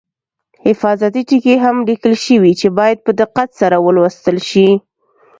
حفاظتي ټکي هم لیکل شوي چې باید په دقت سره ولوستل شي.